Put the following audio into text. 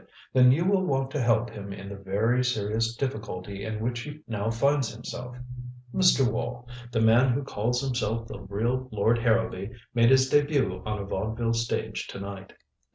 Then you will want to help him in the very serious difficulty in which he now finds himself. Mr. Wall, the man who calls himself the real Lord Harrowby made his debut on a vaudeville stage to night."